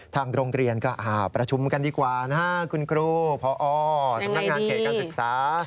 ทางโรงเรียนก็ประชุมกันดีกว่าคุณครูพอสมัครงานเขตสึกษา